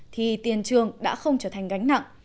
thì tiền trường đã không trở thành gánh nặng